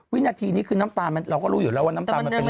วินาทีนี้คือน้ำตาลเราก็รู้อยู่แล้วว่าน้ำตาลมันเป็นยังไง